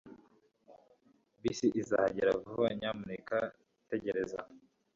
Bisi izahagera vuba. Nyamuneka tegereza